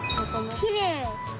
きれい！